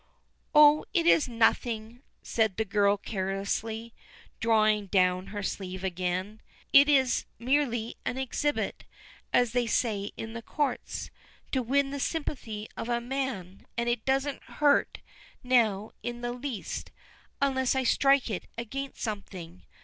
"Oh, it is nothing," said the girl carelessly, drawing down her sleeve again, "it is merely an exhibit, as they say in the courts, to win the sympathy of a man, and it doesn't hurt now in the least, unless I strike it against something.